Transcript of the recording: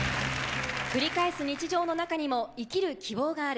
繰り返す日常の中にも生きる希望がある。